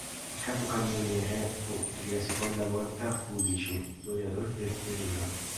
Il capocannoniere fu, per la seconda volta, Pulici, goleador del Torino.